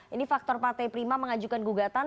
ini faktor partai prima mengajukan gugatan